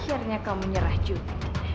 akhirnya kamu menyerah judy